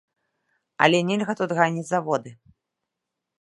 Але нельга тут ганіць заводы.